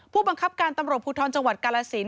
ผู้บังคับการตำรวจภูทรจังหวัดกาลสิน